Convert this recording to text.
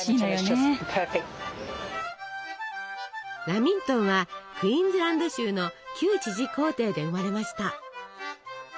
ラミントンはクイーンズランド州の旧知事公邸で生まれました。